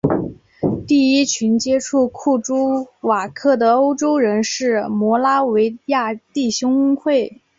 第一群接触库朱瓦克的欧洲人是摩拉维亚弟兄会。